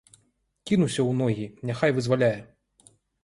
Кінуся ў ногі, няхай вызваляе.